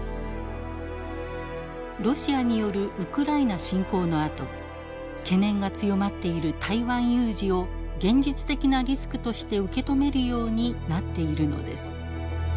ロシアによるウクライナ侵攻のあと懸念が強まっている台湾有事を現実的なリスクとして受け止めるようになっているのです。